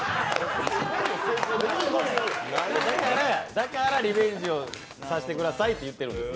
だからリベンジをさせてくださいって言ってるんです。